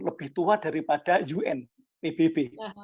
lebih tua daripada un pbb